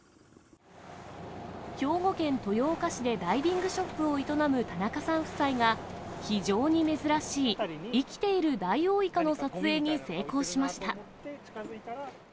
兵庫県豊岡市でダイビングショップを営む田中さん夫妻が、非常に珍しい、生きているダイオウイカの撮影に成功しました。